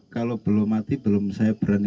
kalau belum mati belum saya berani